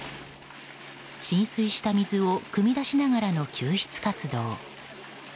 浸水した水をくみ出しながらの救出活動。